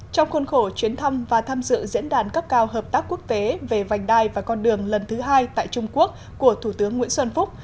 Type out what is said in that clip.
trong khuôn khổ chuyến thăm và tham dự diễn đàn cấp cao hợp tác quốc tế về vành đai và con đường lần thứ hai tại trung quốc của thủ tướng nguyễn xuân phúc